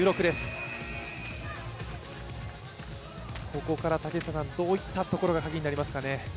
ここからどういったところがキーになりますかね？